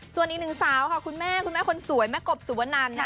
ส่วนอีกหนึ่งสาวค่ะคุณแม่คุณแม่คนสวยแม่กบสุวนัน